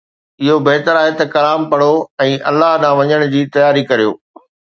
اھو بھتر آھي ته ڪلام پڙھو ۽ الله ڏانھن وڃڻ جي تياري ڪريو